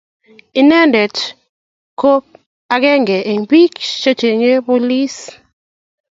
inende ko agenge eng' biik che chenye polis